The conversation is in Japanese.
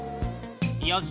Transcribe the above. よし。